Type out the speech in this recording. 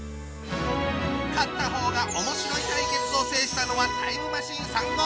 勝った方が面白い対決を制したのはタイムマシーン３号！